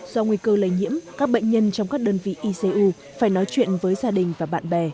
do nguy cơ lây nhiễm các bệnh nhân trong các đơn vị icu phải nói chuyện với gia đình và bạn bè